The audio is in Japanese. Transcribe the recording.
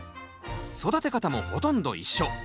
育て方もほとんど一緒。